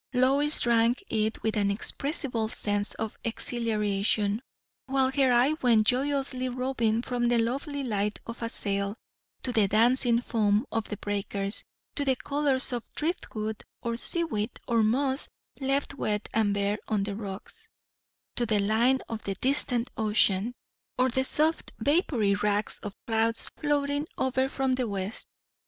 Lois drank it with an inexpressible sense of exhilaration; while her eye went joyously roving from the lovely light on a sail, to the dancing foam of the breakers, to the colours of driftwood or seaweed or moss left wet and bare on the rocks, to the line of the distant ocean, or the soft vapoury racks of clouds floating over from the west.